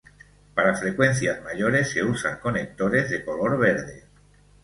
Para frecuencias mayores se usan conectores de color verde.